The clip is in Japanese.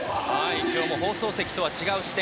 今日も放送席とは違う視点